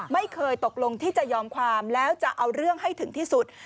ไม่เคยตกลงที่จะยอมความแล้วจะเอาเรื่องให้ถึงที่สุด